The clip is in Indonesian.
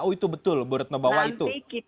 oh itu betul berat nabawa itu